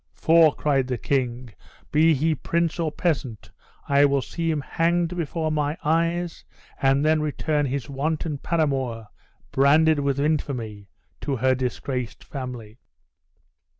"For," cried the king, "be he prince or peasant, I will see him hanged before my eyes, and then return his wanton paramour, branded with infamy, to her disgraced family!"